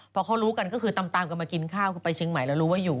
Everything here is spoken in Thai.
พอเขารู้กันก็คือตามกันมากินข้าวคือไปเชียงใหม่แล้วรู้ว่าอยู่